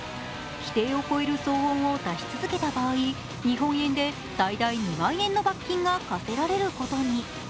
規定を超える騒音を出し続けた場合、日本円で最大２万円の罰金が科せられることに。